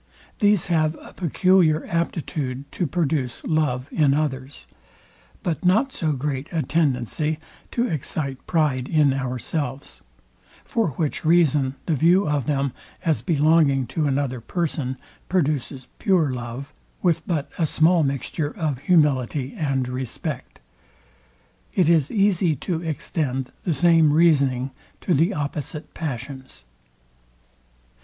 These have a peculiar aptitude to produce love in others; but not so great a tendency to excite pride in ourselves: For which reason the view of them, as belonging to another person, produces pure love, with but a small mixture of humility and respect. It is easy to extend the same reasoning to the opposite passions.